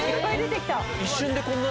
一瞬でこんな。